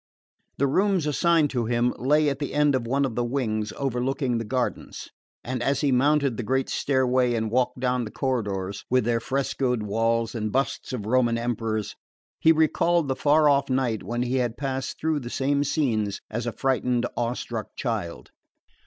The rooms assigned to him lay at the end of one of the wings overlooking the gardens; and as he mounted the great stairway and walked down the corridors with their frescoed walls and busts of Roman emperors he recalled the far off night when he had passed through the same scenes as a frightened awe struck child.